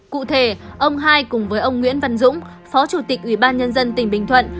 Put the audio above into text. cụ thể ông hai cùng với ông nguyễn văn dũng phó chủ tịch ủy ban nhân dân tỉnh bình thuận